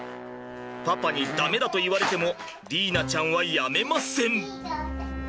パパに「ダメだ」と言われても莉依菜ちゃんはやめません。